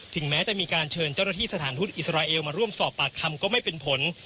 แม้จะมีการเชิญเจ้าหน้าที่สถานทูตอิสราเอลมาร่วมสอบปากคำก็ไม่เป็นผล